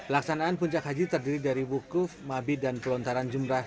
laksanaan puncak haji terdiri dari wukuf mabi dan pelontaran jumrah